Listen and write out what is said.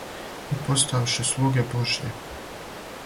и поставши слуге Божје